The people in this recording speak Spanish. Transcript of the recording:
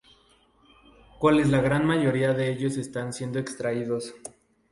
Cuales la gran mayoría de ellos están siendo extraídos.